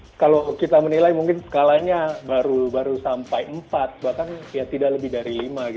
ya kalau kita menilai mungkin skalanya baru sampai empat bahkan ya tidak lebih dari lima